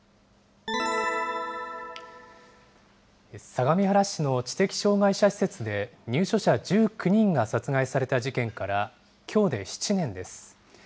相模原市の知的障害者施設で、入所者１９人が殺害された事件からきょうで７年です。